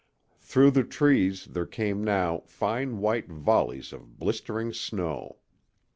Through the trees there came now fine white volleys of blistering snow.